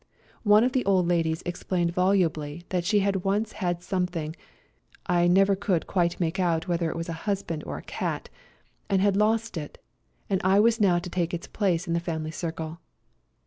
One of the old ladies explained volubly that she had once had something — I never could quite make out whether it was a husband or a cat — and had lost it, and I was now to take its place in the family circle.